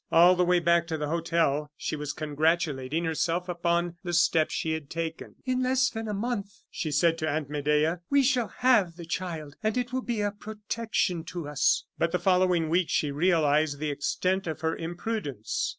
All the way back to the hotel she was congratulating herself upon the step she had taken. "In less than a month," she said to Aunt Medea, "we shall have the child; and it will be a protection to us." But the following week she realized the extent of her imprudence.